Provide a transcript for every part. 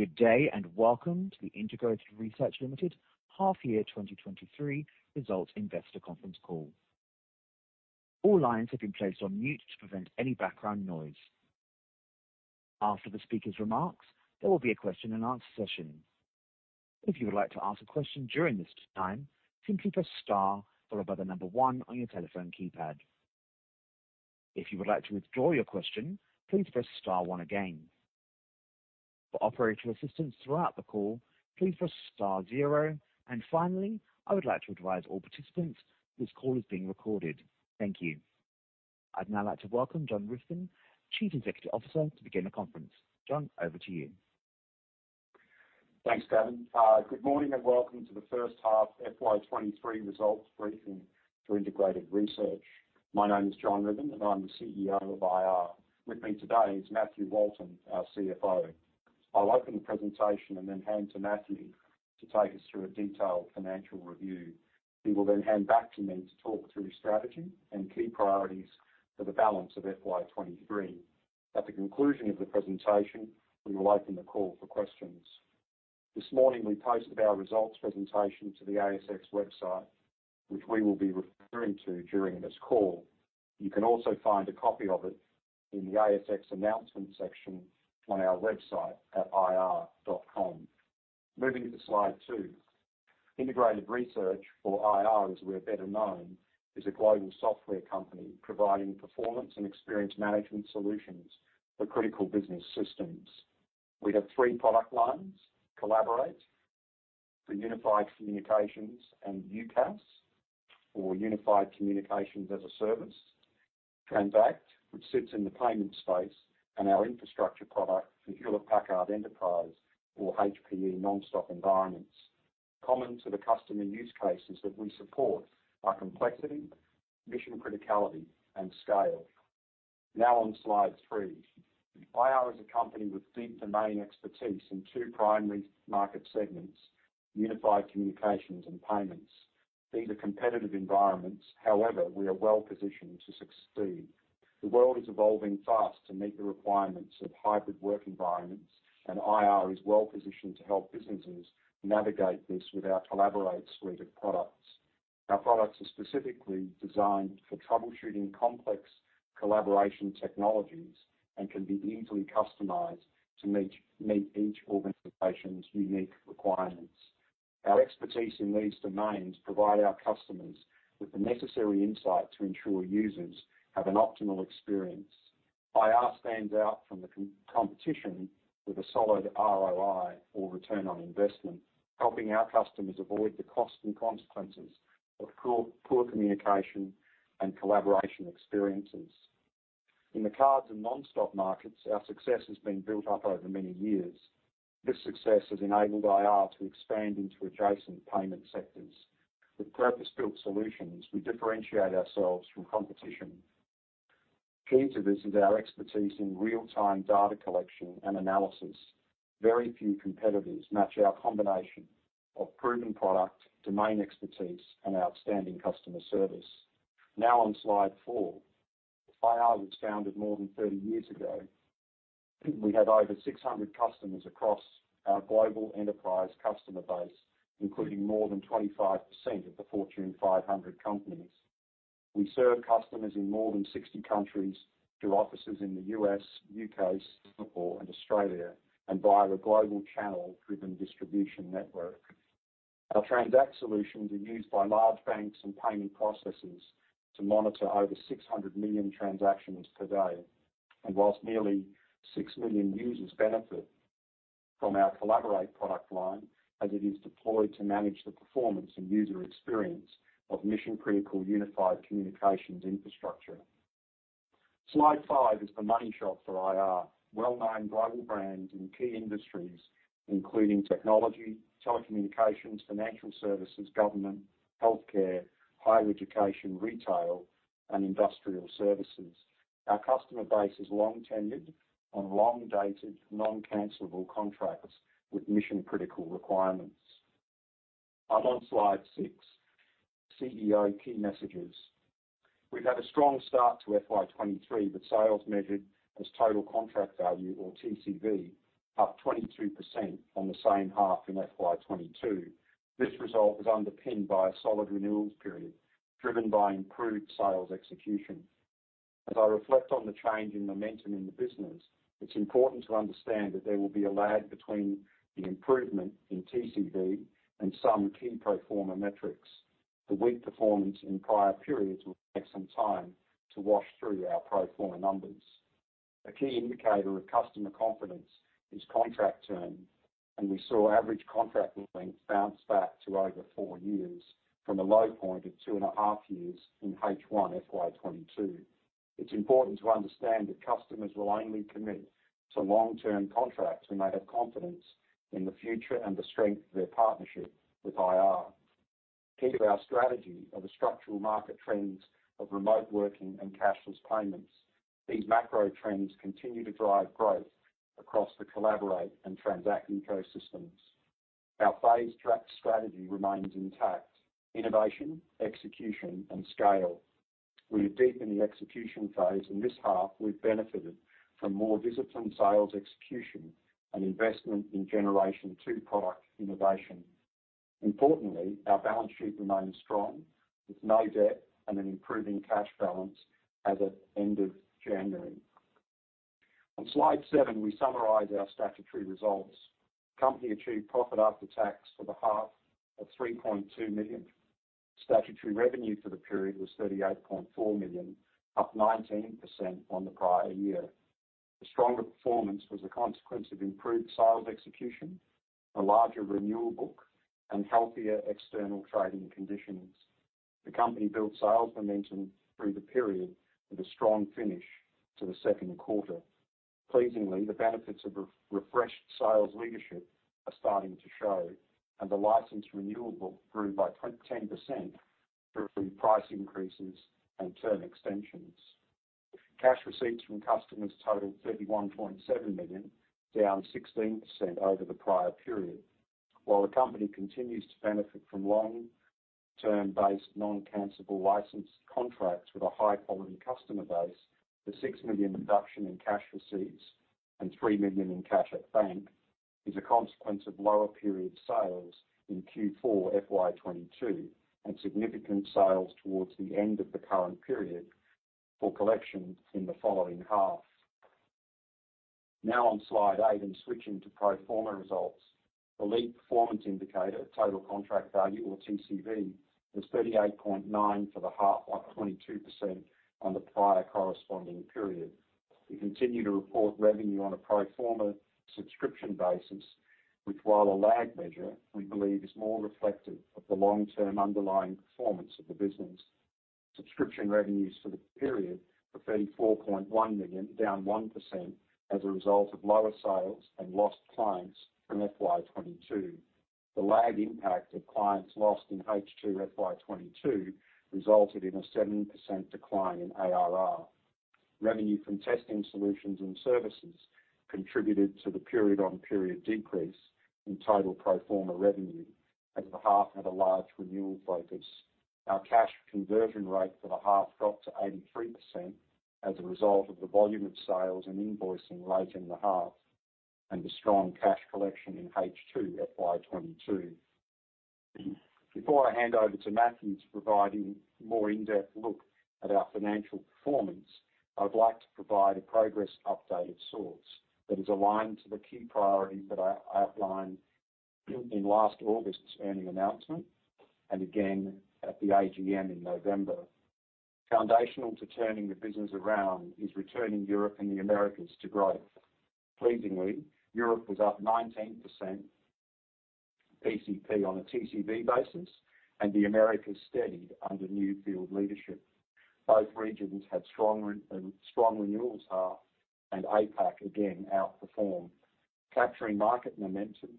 Good day. Welcome to the Integrated Research Limited Half Year 2023 Results Investor Conference Call. All lines have been placed on mute to prevent any background noise. After the speaker's remarks, there will be a question-and-answer session. If you would like to ask a question during this time, simply press star followed by the one on your telephone keypad. If you would like to withdraw your question, please press star one again. For operational assistance throughout the call, please press star zero. Finally, I would like to advise all participants this call is being recorded. Thank you. I'd now like to welcome John Ruthven, Chief Executive Officer, to begin the conference. John, over to you. Thanks, Gavin. Good morning and welcome to the first half FY23 results briefing for Integrated Research. My name is John Ruthven, I'm the CEO of IR. With me today is Matthew Walton, our CFO. I'll open the presentation and hand to Matthew to take us through a detailed financial review. He will hand back to me to talk through strategy and key priorities for the balance of FY23. At the conclusion of the presentation, we will open the call for questions. This morning, we posted our results presentation to the ASX website, which we will be referring to during this call. You can also find a copy of it in the ASX announcements section on our website at ir.com. Moving to slide two. Integrated Research or IR, as we're better known, is a global software company providing performance and experience management solutions for critical business systems. We have three product lines. Collaborate for unified communications and UCaaS or Unified Communications as a Service. Transact, which sits in the payment space and our Infrastructure product for Hewlett Packard Enterprise or HPE NonStop environments. Common to the customer use cases that we support are complexity, mission criticality, and scale. Now on slide three. IR is a company with deep domain expertise in two primary market segments, unified communications and payments. These are competitive environments. However, we are well-positioned to succeed. The world is evolving fast to meet the requirements of hybrid work environments, and IR is well-positioned to help businesses navigate this with our Collaborate suite of products. Our products are specifically designed for troubleshooting complex collaboration technologies and can be easily customized to meet each organization's unique requirements. Our expertise in these domains provide our customers with the necessary insight to ensure users have an optimal experience. IR stands out from the competition with a solid ROI or return on investment, helping our customers avoid the cost and consequences of poor communication and collaboration experiences. In the cards and NonStop markets, our success has been built up over many years. This success has enabled IR to expand into adjacent payment sectors. With purpose-built solutions, we differentiate ourselves from competition. Key to this is our expertise in real-time data collection and analysis. Very few competitors match our combination of proven product, domain expertise, and outstanding customer service. On slide four. IR was founded more than 30 years ago. We have over 600 customers across our global enterprise customer base, including more than 25% of the Fortune 500 companies. We serve customers in more than 60 countries through offices in the U.S., U.K., Singapore and Australia, via a global channel-driven distribution network. Our Transact solutions are used by large banks and payment processors to monitor over 600 million transactions per day. Whilst nearly 6 million users benefit from our Collaborate product line as it is deployed to manage the performance and user experience of mission-critical unified communications infrastructure. Slide five is the money shot for IR. Well-known global brands in key industries including technology, telecommunications, financial services, government, healthcare, higher education, retail, and industrial services. Our customer base is long-tenured on long-dated, non-cancelable contracts with mission-critical requirements. I'm on slide six. CEO key messages. We've had a strong start to FY23, with sales measured as Total Contract Value or TCV up 22% on the same half in FY22. This result is underpinned by a solid renewals period driven by improved sales execution. As I reflect on the change in momentum in the business, it's important to understand that there will be a lag between the improvement in TCV and some key pro forma metrics. The weak performance in prior periods will take some time to wash through our pro forma numbers. A key indicator of customer confidence is contract term, and we saw average contract length bounce back to over four years from a low point of two and a half years in H1 FY22. It's important to understand that customers will only commit to long-term contracts when they have confidence in the future and the strength of their partnership with IR. Key to our strategy are the structural market trends of remote working and cashless payments. These macro trends continue to drive growth across the Collaborate and Transact ecosystems. Our phase track strategy remains intact. Innovation, execution, and scale. We are deep in the execution phase, and this half we've benefited from more disciplined sales execution and investment in Generation 2 product innovation. Importantly, our balance sheet remains strong with no debt and an improving cash balance as at end of January. On slide seven, we summarize our statutory results. Company achieved profit after tax for the half of 3.2 million. Statutory revenue for the period was 38.4 million, up 19% on the prior year. The stronger performance was a consequence of improved sales execution, a larger renewal book, and healthier external trading conditions. The company built sales momentum through the period with a strong finish to the second quarter. Pleasingly, the benefits of refreshed sales leadership are starting to show and the license renewable grew by 10% through price increases and term extensions. Cash receipts from customers totaled 31.7 million, down 16% over the prior period. While the company continues to benefit from long-term based non-cancelable license contracts with a high quality customer base, the 6 million reduction in cash receipts and 3 million in cash at bank is a consequence of lower period sales in Q4 FY 2022 and significant sales towards the end of the current period for collection in the following half. Now on slide eight and switching to pro forma results. The lead performance indicator, Total Contract Value or TCV, was 38.9 for the half, up 22% on the prior corresponding period. We continue to report revenue on a pro forma subscription basis, which while a lag measure, we believe is more reflective of the long-term underlying performance of the business. Subscription revenues for the period were 34.1 million, down 1% as a result of lower sales and lost clients from FY2022. The lag impact of clients lost in H2 FY2022 resulted in a 7% decline in ARR. Revenue from testing solutions and services contributed to the period-on-period decrease in total pro forma revenue as the half had a large renewal focus. Our cash conversion rate for the half got to 83% as a result of the volume of sales and invoicing late in the half and the strong cash collection in H2 FY22. Before I hand over to Matthew to provide a more in-depth look at our financial performance, I would like to provide a progress update of sorts that is aligned to the key priorities that I outlined in last August's earning announcement and again at the AGM in November. Foundational to turning the business around is returning Europe and the Americas to growth. Pleasingly, Europe was up 19% PCP on a TCV basis, and the Americas steadied under new field leadership. Both regions had strong renewals half and APAC again outperformed. Capturing market momentum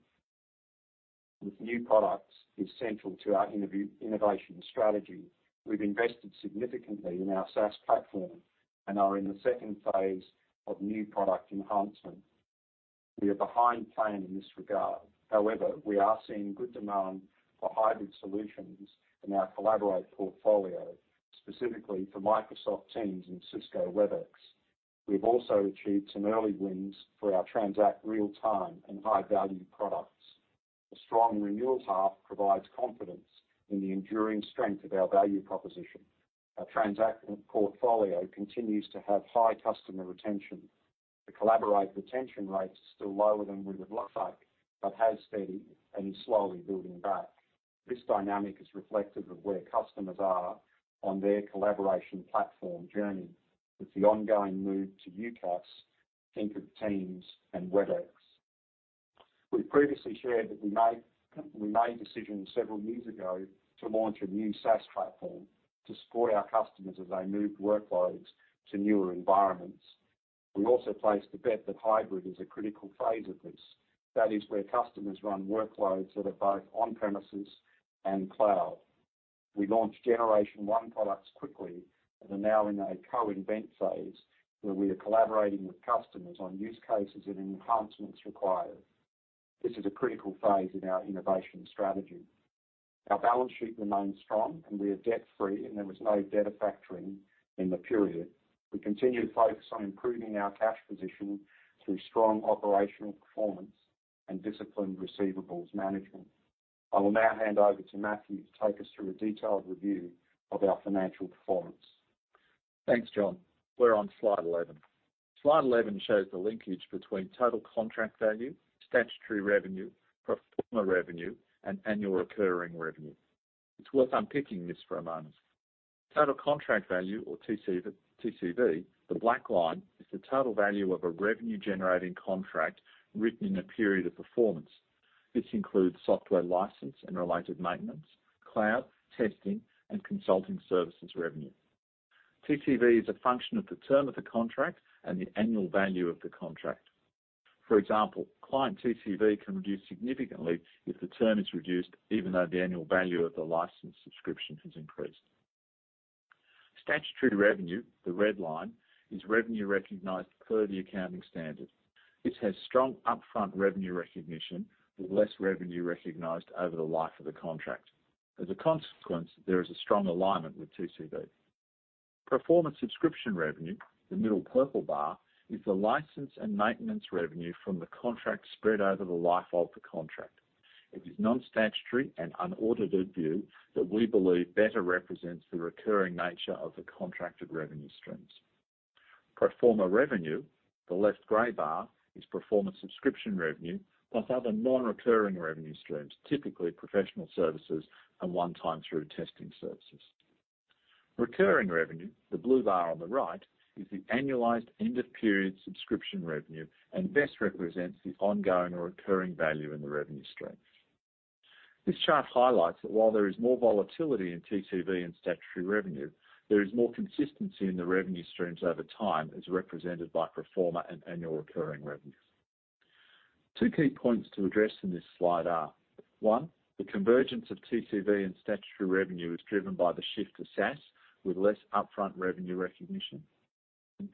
with new products is central to our innovation strategy. We've invested significantly in our SaaS platform and are in the second phase of new product enhancement. We are behind plan in this regard. However, we are seeing good demand for hybrid solutions in our Collaborate portfolio, specifically for Microsoft Teams and Cisco Webex. We've also achieved some early wins for our Transact real time and high-value products. A strong renewals half provides confidence in the enduring strength of our value proposition. Our Transact portfolio continues to have high customer retention. The Collaborate retention rate is still lower than we would like, but has steadied and is slowly building back. This dynamic is reflective of where customers are on their collaboration platform journey. With the ongoing move to UCaaS, think of Teams and Webex. We previously shared that we made decisions several years ago to launch a new SaaS platform to support our customers as they moved workloads to newer environments. We placed a bet that hybrid is a critical phase of this. That is where customers run workloads that are both on-premises and cloud. We launched Generation 1 products quickly and are now in a co-invent phase where we are collaborating with customers on use cases and enhancements required. This is a critical phase in our innovation strategy. Our balance sheet remains strong and we are debt-free. There was no debt factoring in the period. We continue to focus on improving our cash position through strong operational performance and disciplined receivables management. I will now hand over to Matthew to take us through a detailed review of our financial performance. Thanks, John. We're on slide 11. Slide 11 shows the linkage between Total Contract Value, statutory revenue, pro forma revenue, and annual recurring revenue. It's worth unpicking this for a moment. Total contract value or TCV, the black line, is the total value of a revenue-generating contract written in a period of performance. This includes software license and related maintenance, cloud testing, and consulting services revenue. TCV is a function of the term of the contract and the annual value of the contract. For example, client TCV can reduce significantly if the term is reduced, even though the annual value of the license subscription has increased. Statutory revenue, the red line, is revenue recognized per the accounting standard. This has strong upfront revenue recognition with less revenue recognized over the life of the contract. As a consequence, there is a strong alignment with TCV. Performer subscription revenue, the middle purple bar, is the license and maintenance revenue from the contract spread over the life of the contract. It is non-statutory and unaudited view that we believe better represents the recurring nature of the contracted revenue streams. Pro forma revenue, the left gray bar, is pro forma subscription revenue, plus other non-recurring revenue streams, typically professional services and one-time through testing services. Recurring revenue, the blue bar on the right, is the annualized end of period subscription revenue and best represents the ongoing or recurring value in the revenue stream. This chart highlights that while there is more volatility in TCV and statutory revenue, there is more consistency in the revenue streams over time as represented by pro forma and annual recurring revenues. Two key points to address in this slide are: one, the convergence of TCV and statutory revenue is driven by the shift to SaaS with less upfront revenue recognition.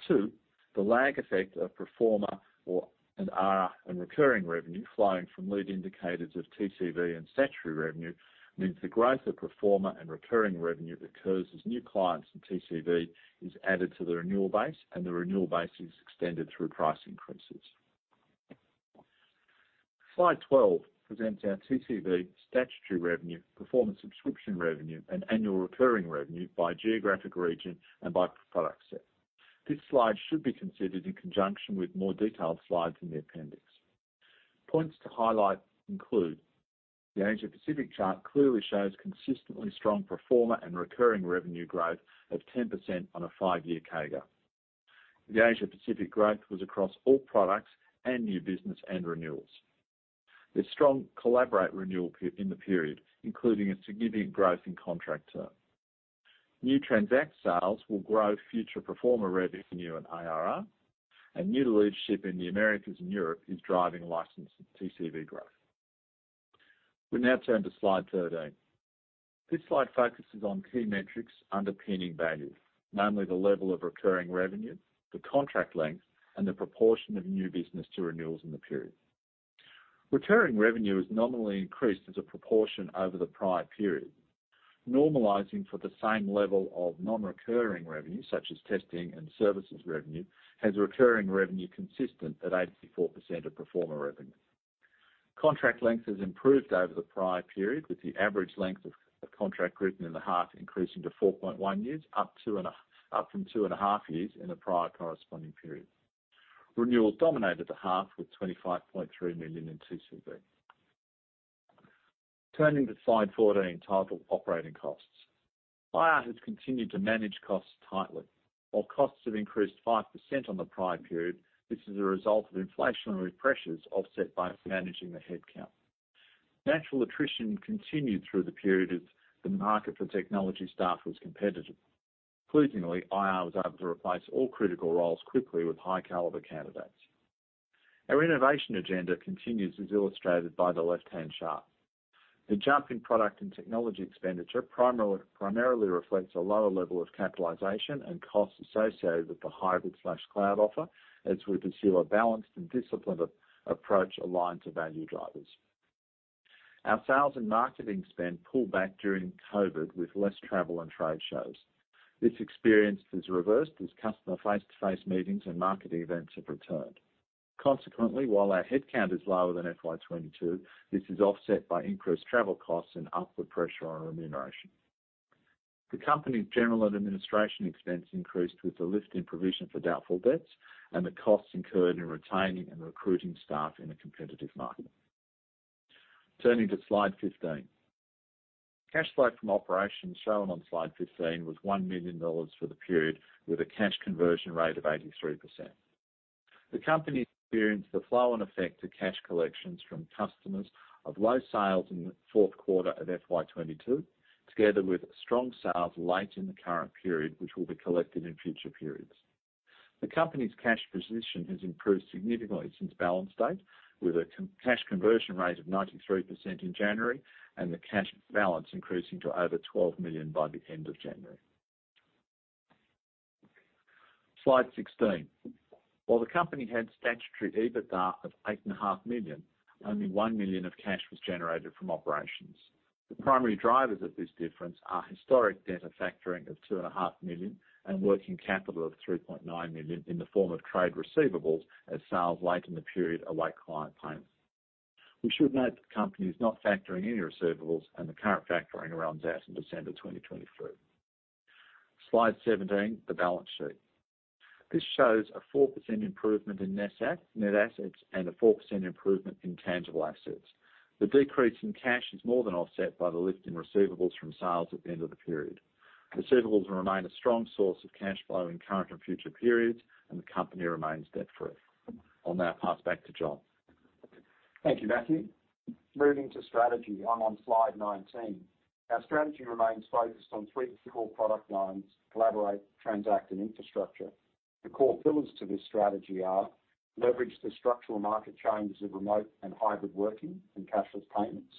Two, the lag effect of pro forma or, and ARR and recurring revenue flowing from lead indicators of TCV and statutory revenue means the growth of pro forma and recurring revenue occurs as new clients and TCV is added to the renewal base, and the renewal base is extended through price increases. Slide 12 presents our TCV statutory revenue, performance subscription revenue, and annual recurring revenue by geographic region and by product set. This slide should be considered in conjunction with more detailed slides in the appendix. Points to highlight include: The Asia-Pacific chart clearly shows consistently strong pro forma and recurring revenue growth of 10% on a five-year CAGR. The Asia-Pacific growth was across all products and new business and renewals. There's strong Collaborate renewal in the period, including a significant growth in contract term. New Transact sales will grow future pro forma revenue and ARR. New leadership in the Americas and Europe is driving license and TCV growth. We now turn to slide 13. This slide focuses on key metrics underpinning value, namely the level of recurring revenue, the contract length, and the proportion of new business to renewals in the period. Returning revenue is nominally increased as a proportion over the prior period. Normalizing for the same level of non-recurring revenue, such as testing and services revenue, has recurring revenue consistent at 84% of pro forma revenue. Contract length has improved over the prior period, with the average length of contract written in the half increasing to 4.1 years, up from two and a half years in the prior corresponding period. Renewals dominated the half with 25.3 million in TCV. Turning to slide 14 titled Operating Costs. IR has continued to manage costs tightly. While costs have increased 5% on the prior period, this is a result of inflationary pressures offset by managing the headcount. Natural attrition continued through the period as the market for technology staff was competitive. Pleasingly, IR was able to replace all critical roles quickly with high caliber candidates. Our innovation agenda continues as illustrated by the left-hand chart. The jump in product and technology expenditure primarily reflects a lower level of capitalization and costs associated with the hybrid/cloud offer as we pursue a balanced and disciplined approach aligned to value drivers. Our sales and marketing spend pulled back during COVID with less travel and trade shows. This experience has reversed as customer face-to-face meetings and marketing events have returned. Consequently, while our headcount is lower than FY 22, this is offset by increased travel costs and upward pressure on remuneration. The company's general and administration expense increased with the lift in provision for doubtful debts and the costs incurred in retaining and recruiting staff in a competitive market. Turning to slide 15. Cash flow from operations shown on slide 15 was 1 million dollars for the period with a cash conversion rate of 83%. The company experienced the flow and effect of cash collections from customers of low sales in the fourth quarter of FY22, together with strong sales late in the current period, which will be collected in future periods. The company's cash position has improved significantly since balance date, with a cash conversion rate of 93% in January and the cash balance increasing to over 12 million by the end of January. Slide 16. While the company had statutory EBITDA of 8.5 Million, only 1 million of cash was generated from operations. The primary drivers of this difference are historic debtor factoring of 2.5 million and working capital of 3.9 million in the form of trade receivables as sales late in the period await client payments. We should note the company is not factoring any receivables and the current factoring runs out in December 2023. Slide 17, the balance sheet. This shows a 4% improvement in net assets and a 4% improvement in tangible assets. The decrease in cash is more than offset by the lift in receivables from sales at the end of the period. Receivables remain a strong source of cash flow in current and future periods. The company remains debt-free. I'll now pass back to John. Thank you, Matthew. Moving to strategy. I'm on slide 19. Our strategy remains focused on three core product lines: Collaborate, Transact, and Infrastructure. The core pillars to this strategy are leverage the structural market changes of remote and hybrid working and cashless payments.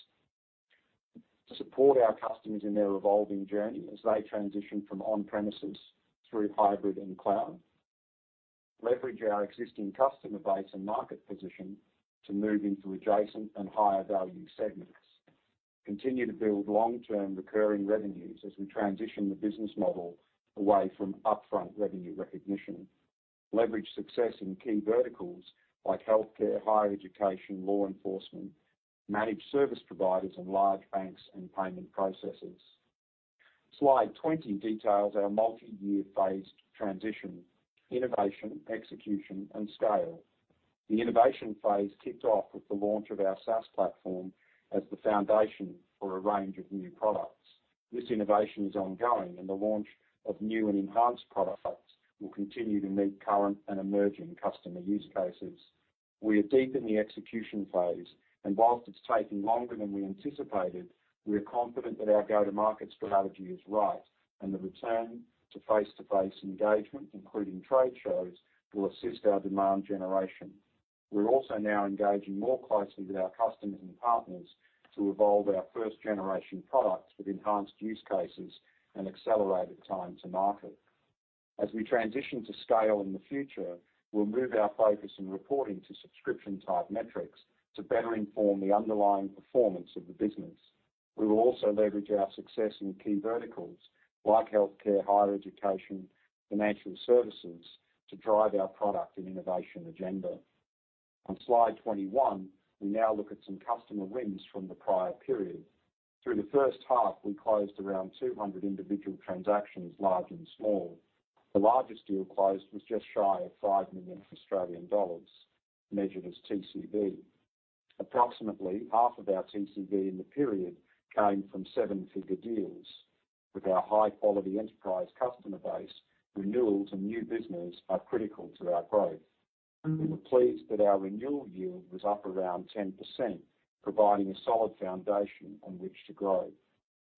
To support our customers in their evolving journey as they transition from on-premises through hybrid and cloud. Leverage our existing customer base and market position to move into adjacent and higher value segments. Continue to build long-term recurring revenues as we transition the business model away from upfront revenue recognition. Leverage success in key verticals like healthcare, higher education, law enforcement, managed service providers, and large banks and payment processors. Slide 20 details our multi-year phased transition, innovation, execution and scale. The innovation phase kicked off with the launch of our SaaS platform as the foundation for a range of new products. This innovation is ongoing. The launch of new and enhanced products will continue to meet current and emerging customer use cases. We are deep in the execution phase, and while it's taking longer than we anticipated, we are confident that our go-to-market strategy is right and the return to face-to-face engagement, including trade shows, will assist our demand generation. We're also now engaging more closely with our customers and partners to evolve our first-generation products with enhanced use cases and accelerated time to market. As we transition to scale in the future, we'll move our focus and reporting to subscription-type metrics to better inform the underlying performance of the business. We will also leverage our success in key verticals like healthcare, higher education, financial services, to drive our product and innovation agenda. On slide 21, we now look at some customer wins from the prior period. Through the first half, we closed around 200 individual transactions, large and small. The largest deal closed was just shy of 5 million Australian dollars, measured as TCV. Approximately half of our TCV in the period came from seven-figure deals. With our high-quality enterprise customer base, renewals and new business are critical to our growth. We were pleased that our renewal yield was up around 10%, providing a solid foundation on which to grow.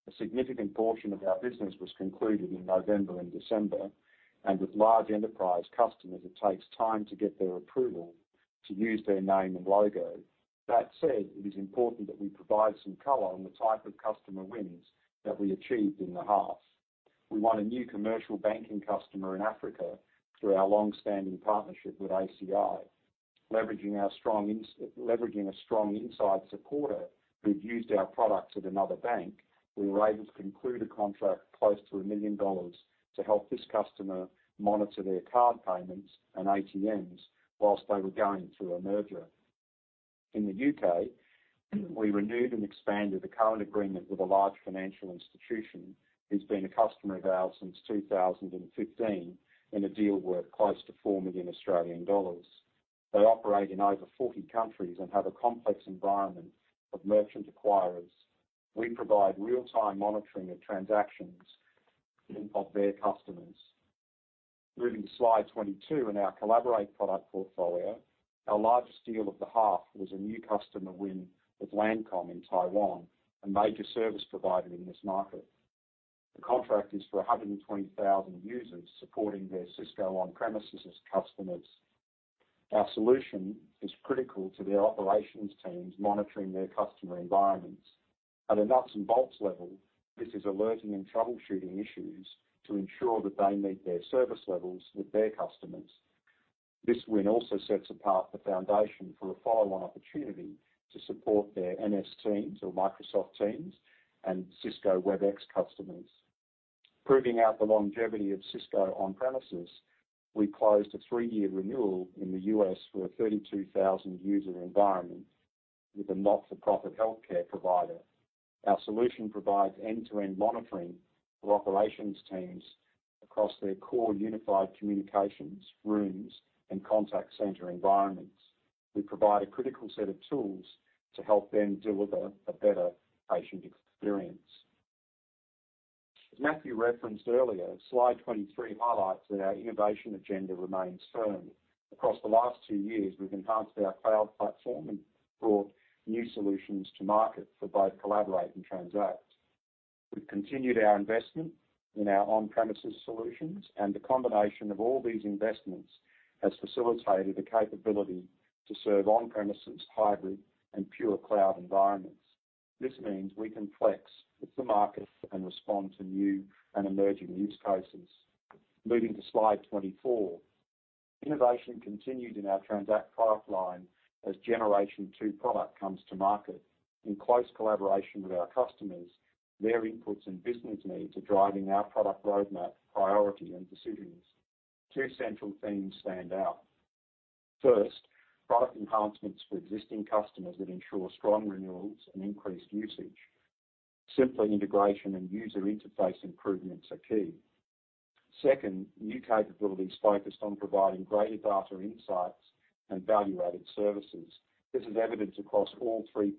A significant portion of our business was concluded in November and December, and with large enterprise customers, it takes time to get their approval to use their name and logo. That said, it is important that we provide some color on the type of customer wins that we achieved in the half. We won a new commercial banking customer in Africa through our long-standing partnership with ACI. Leveraging a strong inside supporter who'd used our products at another bank, we were able to conclude a contract close to $1 million to help this customer monitor their card payments and ATMs while they were going through a merger. In the U.K., we renewed and expanded the current agreement with a large financial institution who's been a customer of ours since 2015 in a deal worth close to 4 million Australian dollars. They operate in over 40 countries and have a complex environment of merchant acquirers. We provide real-time monitoring of transactions of their customers. Moving to slide 22 in our Collaborate product portfolio. Our largest deal of the half was a new customer win with LANcom in Taiwan, a major service provider in this market. The contract is for 120,000 users supporting their Cisco on-premises customers. Our solution is critical to their operations teams monitoring their customer environments. At a nuts and bolts level, this is alerting and troubleshooting issues to ensure that they meet their service levels with their customers. This win also sets apart the foundation for a follow-on opportunity to support their MS Teams or Microsoft Teams and Cisco Webex customers. Proving out the longevity of Cisco on-premises, we closed a three-year renewal in the U.S. for a 32,000 user environment with a not-for-profit healthcare provider. Our solution provides end-to-end monitoring for operations teams across their core unified communications, rooms, and contact center environments. We provide a critical set of tools to help them deliver a better patient experience. As Matthew referenced earlier, slide 23 highlights that our innovation agenda remains firm. Across the last two years, we've enhanced our cloud platform and brought new solutions to market for both Collaborate and Transact. We've continued our investment in our on-premises solutions. The combination of all these investments has facilitated the capability to serve on-premises, hybrid and pure cloud environments. This means we can flex with the market and respond to new and emerging use cases. Moving to slide 24. Innovation continued in our Transact product line as Generation 2 product comes to market. In close collaboration with our customers, their inputs and business needs are driving our product roadmap priority and decisions. Two central themes stand out. First, product enhancements for existing customers that ensure strong renewals and increased usage. Simpler integration and user interface improvements are key. Second, new capabilities focused on providing greater data insights and value-added services. This is evidenced across all three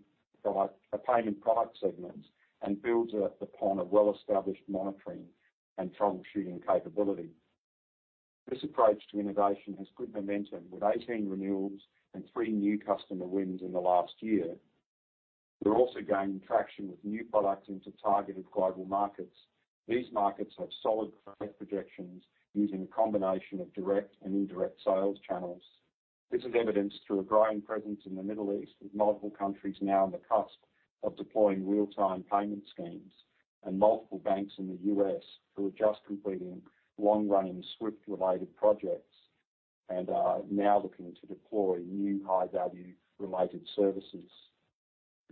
payment product segments and builds upon a well-established monitoring and troubleshooting capability. This approach to innovation has good momentum with 18 renewals and three new customer wins in the last year. We're also gaining traction with new product into targeted global markets. These markets have solid growth projections using a combination of direct and indirect sales channels. This is evidenced through a growing presence in the Middle East, with multiple countries now on the cusp of deploying real-time payment schemes and multiple banks in the U.S. who are just completing long-running SWIFT related projects and are now looking to deploy new high-value related services.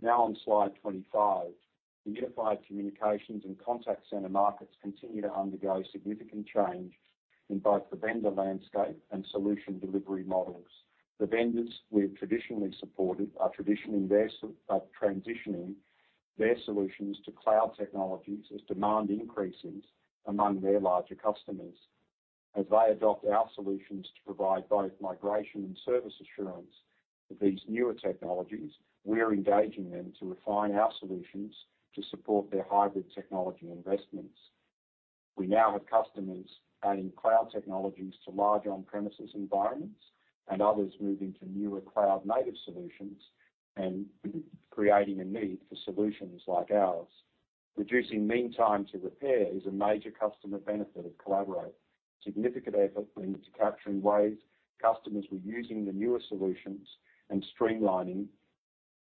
On slide 25. The unified communications and contact center markets continue to undergo significant change in both the vendor landscape and solution delivery models. The vendors we've traditionally supported are traditionally transitioning their solutions to cloud technologies as demand increases among their larger customers. As they adopt our solutions to provide both migration and service assurance for these newer technologies, we are engaging them to refine our solutions to support their hybrid technology investments. We now have customers adding cloud technologies to large on-premises environments and others moving to newer cloud-native solutions and creating a need for solutions like ours. Reducing mean time to repair is a major customer benefit of Collaborate. Significant effort went into capturing ways customers were using the newer solutions and streamlining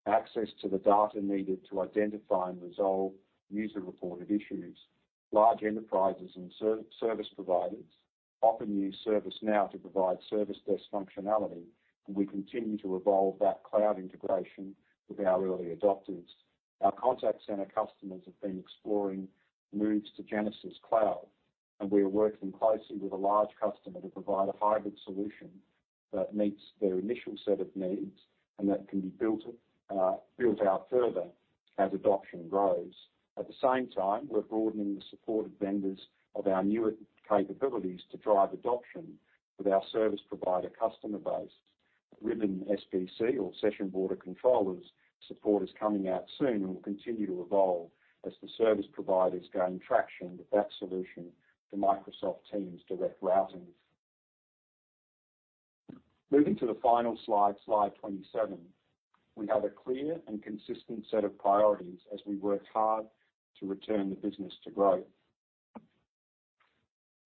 access to the data needed to identify and resolve user-reported issues. Large enterprises and service providers often use ServiceNow to provide service desk functionality, and we continue to evolve that cloud integration with our early adopters. Our contact center customers have been exploring moves to Genesys Cloud, we are working closely with a large customer to provide a hybrid solution that meets their initial set of needs and that can be built out further as adoption grows. At the same time, we're broadening the support of vendors of our newer capabilities to drive adoption with our service provider customer base. Ribbon SBC or session border controllers support is coming out soon and will continue to evolve as the service providers gain traction with that solution to Microsoft Teams direct routing. Moving to the final slide 27. We have a clear and consistent set of priorities as we work hard to return the business to growth.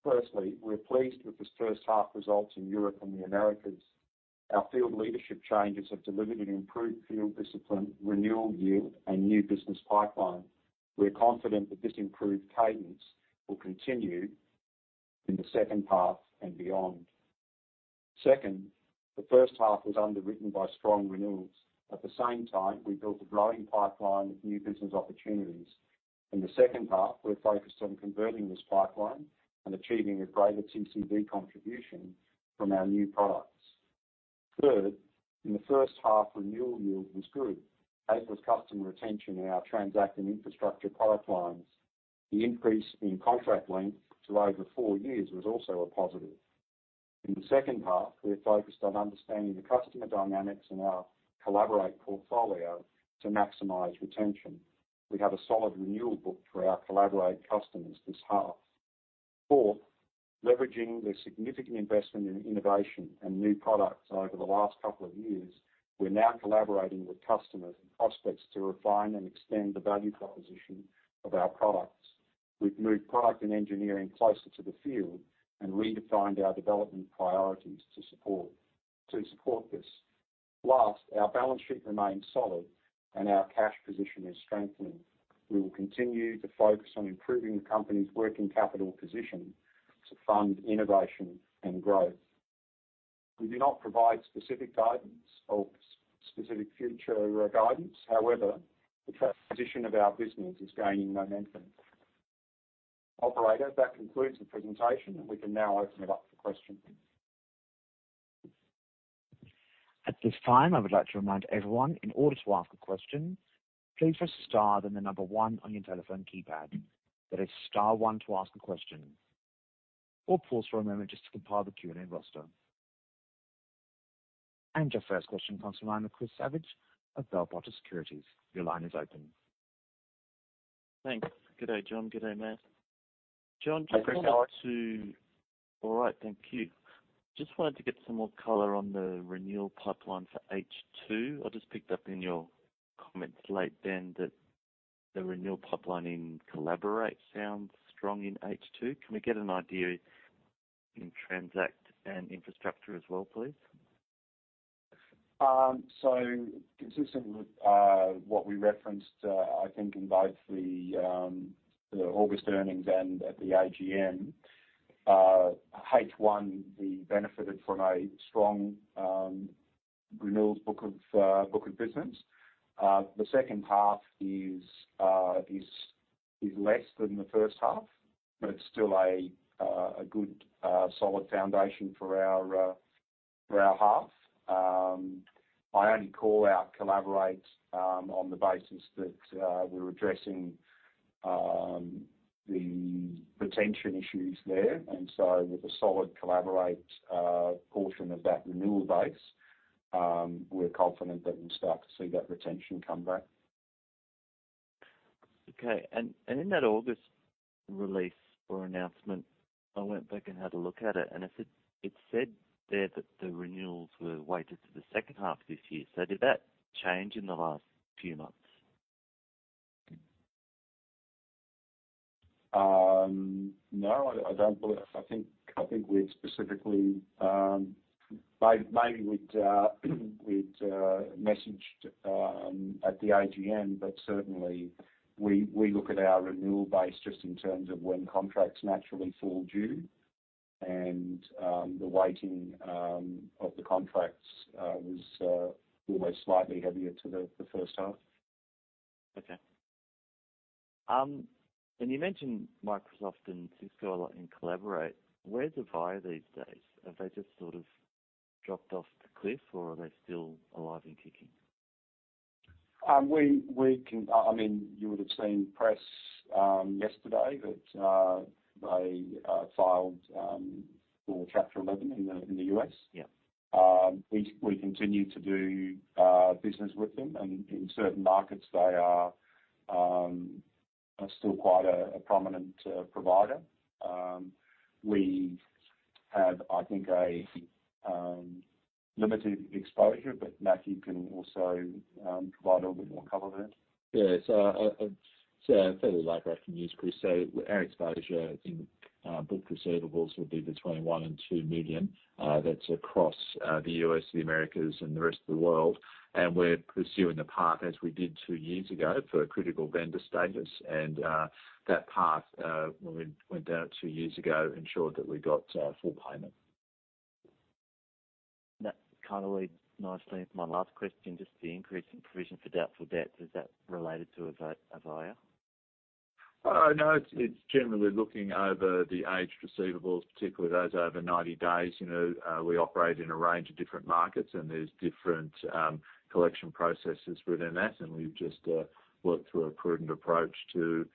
Firstly, we're pleased with this first half results in Europe and the Americas. Our field leadership changes have delivered an improved field discipline, renewal yield, and new business pipeline. We are confident that this improved cadence will continue in the second half and beyond. Second, the first half was underwritten by strong renewals. At the same time, we built a growing pipeline of new business opportunities. In the second half, we're focused on converting this pipeline and achieving a greater TCV contribution from our new products. Third, in the first half, renewal yield was good. As was customer retention in our Transact and Infrastructure pipelines. The increase in contract length to over four years was also a positive. In the second half, we are focused on understanding the customer dynamics in our Collaborate portfolio to maximize retention. We have a solid renewal book for our Collaborate customers this half. Fourth, leveraging the significant investment in innovation and new products over the last couple of years, we're now collaborating with customers and prospects to refine and extend the value proposition of our products. We've moved product and engineering closer to the field and redefined our development priorities to support this. Last, our balance sheet remains solid, and our cash position is strengthening. We will continue to focus on improving the company's working capital position to fund innovation and growth. We do not provide specific guidance or specific future guidance. However, the transition of our business is gaining momentum. Operator, that concludes the presentation, and we can now open it up for questions. At this time, I would like to remind everyone, in order to ask a question, please press star then the number one on your telephone keypad. That is star one to ask a question. We'll pause for a moment just to compile the Q&A roster. Your first question comes from the line of Chris Savage of Bell Potter Securities. Your line is open. Thanks. Good day, John. Good day, Matt. Hi, Chris. How are you? All right. Thank you. Just wanted to get some more color on the renewal pipeline for H2. I just picked up in your comments late then that the renewal pipeline in Collaborate sounds strong in H2. Can we get an idea in Transact and Infrastructure as well, please? Consistent with what we referenced, I think in both the August earnings and at the AGM, H1, we benefited from a strong renewals book of business. The second half is less than the first half, but it's still a good solid foundation for our half. I only call out Collaborate on the basis that we're addressing the retention issues there. With a solid Collaborate portion of that renewal base, we're confident that we'll start to see that retention come back. Okay. In that August release or announcement, I went back and had a look at it, and it said, it said there that the renewals were weighted to the second half this year. Did that change in the last few months? No, I don't believe. I think we've specifically maybe we'd messaged at the AGM. Certainly we look at our renewal base just in terms of when contracts naturally fall due. The weighting of the contracts was always slightly heavier to the first half. Okay. You mentioned Microsoft and Cisco a lot in Collaborate. Where's Avaya these days? Have they just sort of dropped off the cliff, or are they still alive and kicking? We can I mean, you would've seen press yesterday that they filed for Chapter 11 in the U.S. Yeah. We continue to do business with them. In certain markets they are still quite a prominent provider. We have, I think, a limited exposure, but Matthew can also provide a little bit more color there. Yeah. It's fairly like run rate, Chris. Our exposure in book receivables would be the 21.2 million. That's across the U.S., the Americas and the rest of the world. We're pursuing the path as we did two years ago for critical vendor status. That path, when we went down it two years ago ensured that we got full payment. That kinda leads nicely into my last question, just the increase in provision for doubtful debt. Is that related to Avaya? No. It's generally looking over the aged receivables, particularly those over 90 days. You know, we operate in a range of different markets, and there's different collection processes within that. We've just worked through a prudent approach to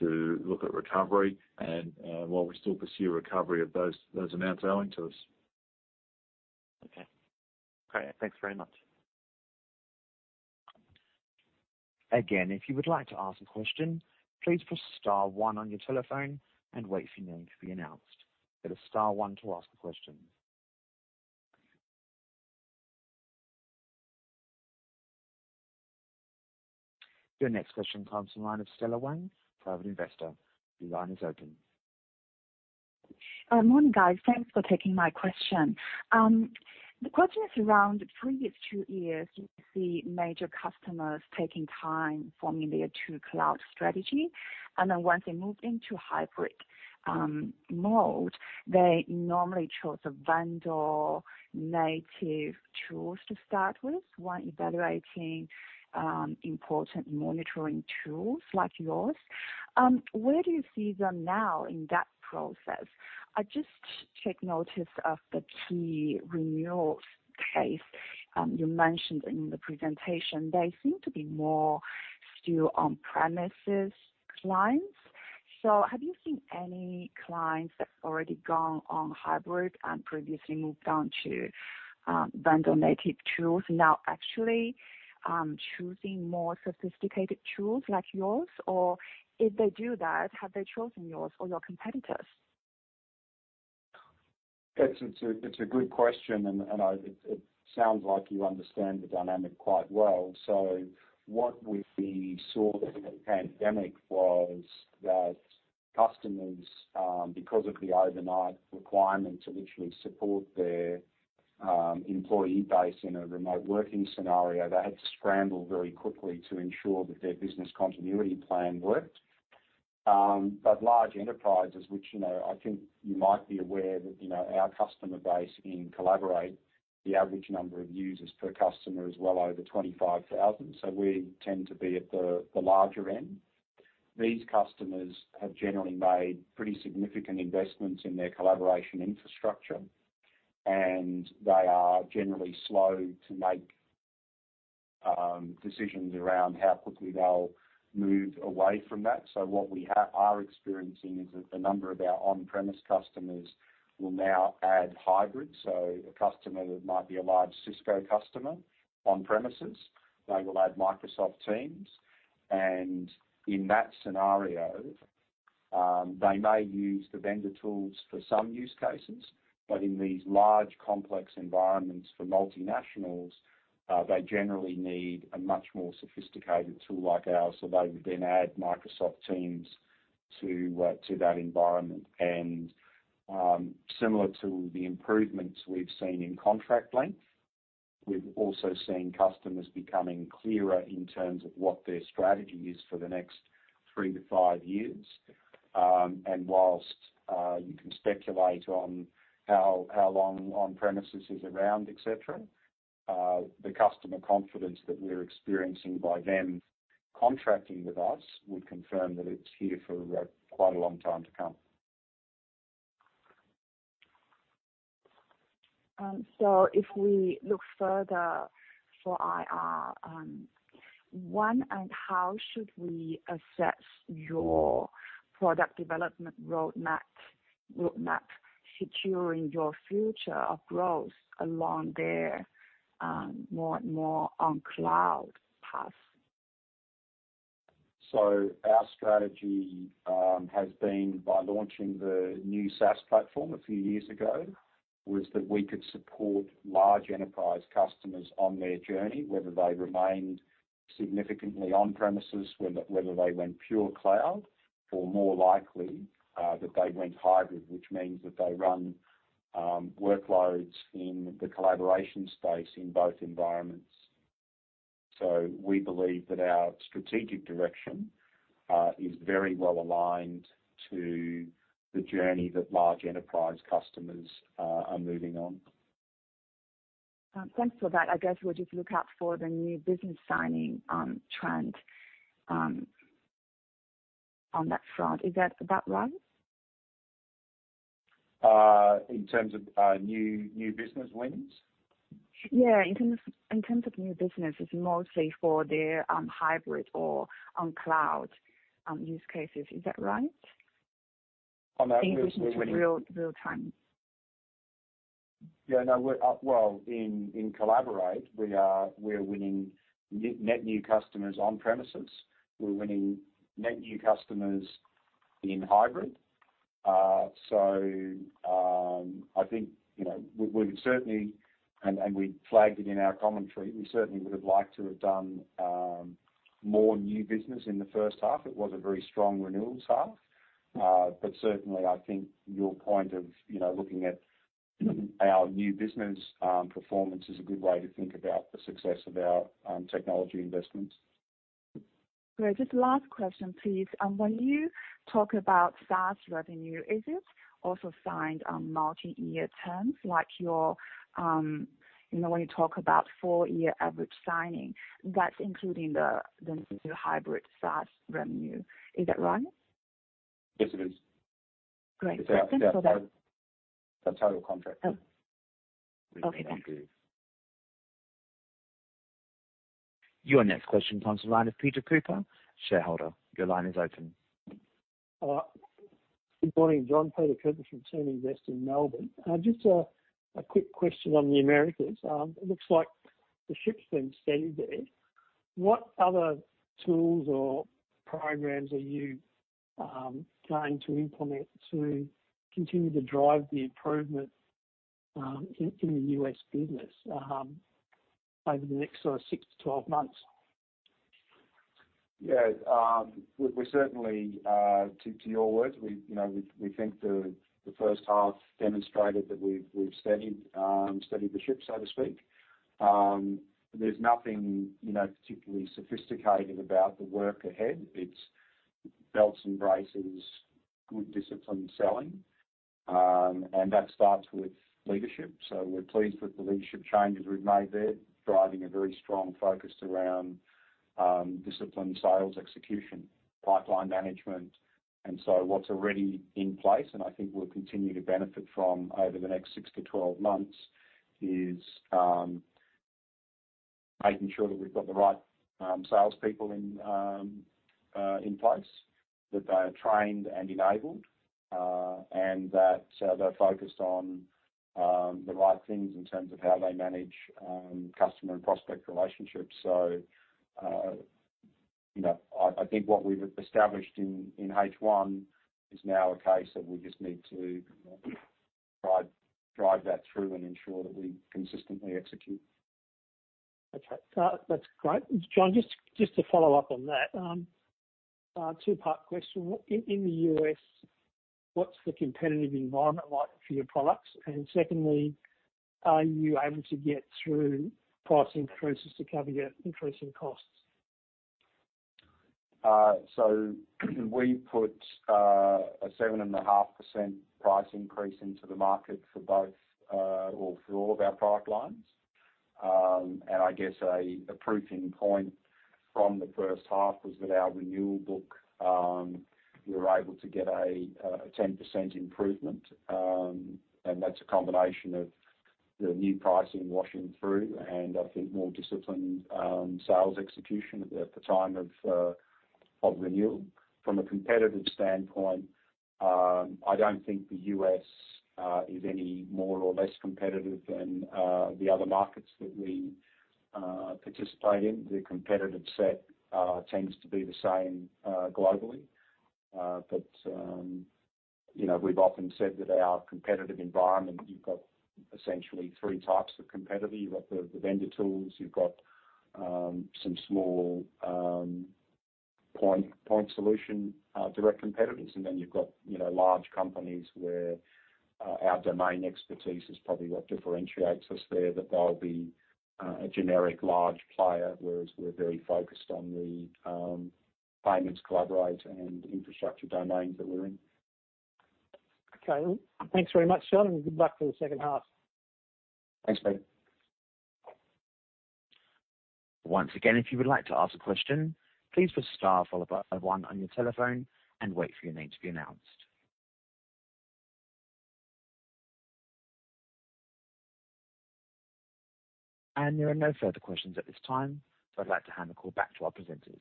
look at recovery and while we still pursue recovery of those amounts owing to us. Okay. Great. Thanks very much. Again, if you would like to ask a question, please press star one on your telephone and wait for your name to be announced. It is star one to ask a question. Your next question comes from the line of Stella Wang, Private Investor. Your line is open. Morning, guys. Thanks for taking my question. The question is around the previous two years with the major customers taking time formulating their true cloud strategy. Once they moved into hybrid mode, they normally chose a vendor native tools to start with when evaluating important monitoring tools like yours. Where do you see them now in that process? I just take notice of the key renewals case you mentioned in the presentation. They seem to be more still on-premises clients. Have you seen any clients that's already gone on hybrid and previously moved on to vendor native tools now actually choosing more sophisticated tools like yours? If they do that, have they chosen yours or your competitors? It's a good question, and it sounds like you understand the dynamic quite well. What we've been seeing in the pandemic was that customers, because of the overnight requirement to literally support their employee base in a remote working scenario, they had to scramble very quickly to ensure that their business continuity plan worked. Large enterprises, which, you know, I think you might be aware that, you know, our customer base in Collaborate, the average number of users per customer is well over 25,000. We tend to be at the larger end. These customers have generally made pretty significant investments in their collaboration infrastructure. They are generally slow to make decisions around how quickly they'll move away from that. What we are experiencing is that a number of our on-premise customers will now add hybrid. A customer that might be a large Cisco customer on premises, they will add Microsoft Teams, and in that scenario, they may use the vendor tools for some use cases. In these large, complex environments for multinationals, they generally need a much more sophisticated tool like ours. They would then add Microsoft Teams to that environment. Similar to the improvements we've seen in contract length, we've also seen customers becoming clearer in terms of what their strategy is for the next three to five years. Whilst you can speculate on how long on-premises is around, et cetera, the customer confidence that we're experiencing by them contracting with us would confirm that it's here for quite a long time to come. If we look further for IR, when and how should we assess your product development roadmap securing your future of growth along there, more on cloud path? Our strategy has been by launching the new SaaS platform a few years ago, was that we could support large enterprise customers on their journey, whether they remained significantly on-premises, whether they went pure cloud or more likely, that they went hybrid, which means that they run workloads in the collaboration space in both environments. We believe that our strategic direction is very well aligned to the journey that large enterprise customers are moving on. Thanks for that. I guess we'll just look out for the new business signing, trend, on that front. Is that about right? In terms of new business wins? Yeah, in terms of new businesses, mostly for their hybrid or on cloud use cases. Is that right? On that- In relation to real time. Yeah, no. Well, in Collaborate, we're winning net new customers on-premises. We're winning net new customers in hybrid. I think, you know, we can certainly and we flagged it in our commentary, we certainly would have liked to have done more new business in the first half. It was a very strong renewals half. Certainly I think your point of, you know, looking at our new business performance is a good way to think about the success of our technology investments. Great. Just last question, please. When you talk about SaaS revenue, is it also signed on multi-year terms like your, you know, when you talk about four-year average signing, that's including the hybrid SaaS revenue. Is that right? Yes, it is. Great. Thanks for that. The total contract. Oh. Okay. Your next question comes from the line of Peter Cooper, Shareholder. Your line is open. Good morning, John. Peter Cooper from Sydney Invest in Melbourne. Just a quick question on the Americas. It looks like the ship's been steady there. What other tools or programs are you planning to implement to continue to drive the improvement in the U.S. business over the next sort of six-12 months? Yeah. We're certainly to your word, we, you know, we think the first half demonstrated that we've steadied the ship, so to speak. There's nothing, you know, particularly sophisticated about the work ahead. It's belts and braces, good disciplined selling. That starts with leadership. We're pleased with the leadership changes we've made there, driving a very strong focus around disciplined sales execution, pipeline management. What's already in place, and I think we'll continue to benefit from over the next six-12 months, is making sure that we've got the right salespeople in place. That they are trained and enabled, and that they're focused on the right things in terms of how they manage customer and prospect relationships. you know, I think what we've established in H1 is now a case that we just need to drive that through and ensure that we consistently execute. Okay. That's great. John, just to follow up on that. Two-part question. In the U.S., what's the competitive environment like for your products? Secondly, are you able to get through price increases to cover your increase in costs? We put a 7.5% price increase into the market for both, or for all of our product lines. I guess a proofing point from the first half was that our renewal book, we were able to get a 10% improvement. That's a combination of the new pricing washing through and I think more disciplined sales execution at the time of renewal. From a competitive standpoint, I don't think the U.S. is any more or less competitive than the other markets that we participate in. The competitive set tends to be the same globally. You know, we've often said that our competitive environment, you've got essentially three types of competitor. You've got the vendor tools, you've got some small, point solution, direct competitors. Then you've got, you know, large companies where our domain expertise is probably what differentiates us there. That they'll be a generic large player, whereas we're very focused on the Payments, Collaborate and Infrastructure domains that we're in. Okay. Thanks very much, John, and good luck for the second half. Thanks, Pete. Once again, if you would like to ask a question, please press star followed by one on your telephone and wait for your name to be announced. There are no further questions at this time, I'd like to hand the call back to our presenters.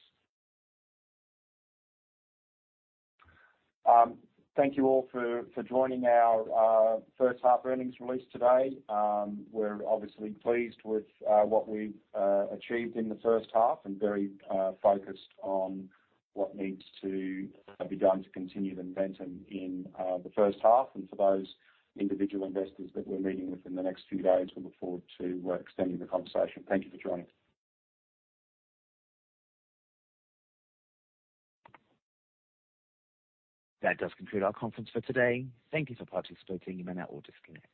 Thank you all for joining our first half earnings release today. We're obviously pleased with what we've achieved in the first half and very focused on what needs to be done to continue the momentum in the first half. For those individual investors that we're meeting with in the next few days, we look forward to extending the conversation. Thank you for joining. That does conclude our conference for today. Thank You for participating. You may now disconnect.